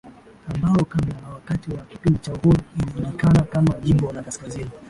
ambao kabla na wakati wa kipindi cha Uhuru ulijulikana kama Jimbo la Kaskazini